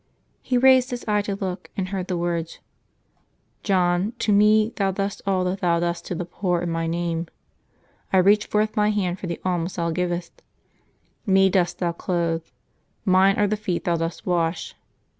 He raised his eyes to look, and heard the words, "John, to Me thou doest all that thou doest to the poor in My name : I reach forth My hand for the alms thou givest; Me dost thou clothe, Mine are the Mabch 9] LIVES OF TEE SAINTS 101 feet thou dost wash.